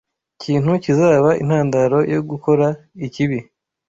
kintu kizaba intandaro yo gukora ikibi